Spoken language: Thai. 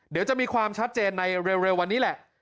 เดี๋ยวจะมีความชัดเจนในเร็ววันนี้แหละ